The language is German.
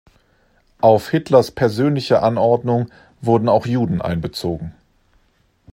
Auf Hitlers persönliche Anordnung wurden auch Juden einbezogen.